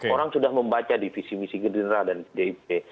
orang sudah membaca divisi divisi gerindra dan pdip